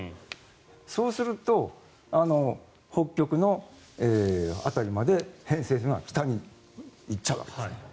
そうすると北極の辺りまで偏西風が行っちゃうわけです。